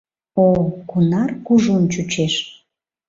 О, кунар кужун чучеш!